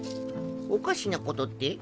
おかしなことって？